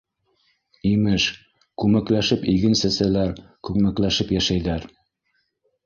Имеш, күмәкләшеп иген сәсәләр, күмәкләшеп йәшәйҙәр.